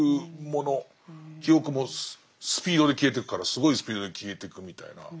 記憶もスピードで消えてくからすごいスピードで消えてくみたいな。